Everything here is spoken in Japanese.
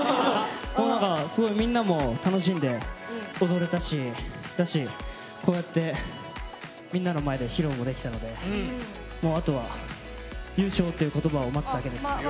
すごいみんなも楽しんで踊れたしこうやってみんなの前で披露もできたのでもう、あとは優勝っていう言葉を待つのみです。